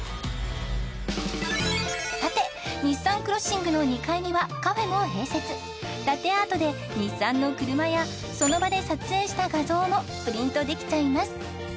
さてＮＩＳＳＡＮＣＲＯＳＳＩＮＧの２階にはカフェも併設ラテアートで日産の車やその場で撮影した画像もプリントできちゃいます